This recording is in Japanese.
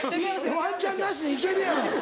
ワンちゃんなしで行けるやろ。